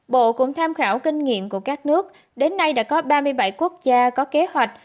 bộ cũng tham khảo kinh nghiệm của các nước đến nay đã có ba mươi bảy quốc gia có kế hoạch